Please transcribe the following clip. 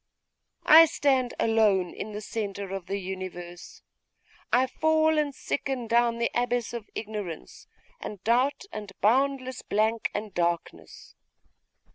I stand alone in the centre of the universe! I fall and sicken down the abyss of ignorance, and doubt, and boundless blank and darkness!